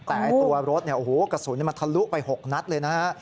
แต่ตัวรถกระสุนทะลุไป๖นัทเลยนะฮะ